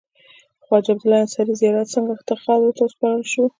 د خواجه عبدالله انصاري زیارت څنګ ته خاورو ته وسپارل شو.